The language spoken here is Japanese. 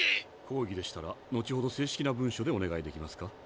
抗議でしたら後ほど正式な文書でお願いできますか？